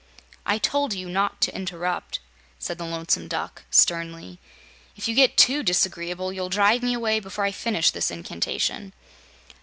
"I told you not to interrupt," said the Lonesome Duck, sternly. "If you get TOO disagreeable, you'll drive me away before I finish this incantation."